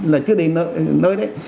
là trước đây nơi đấy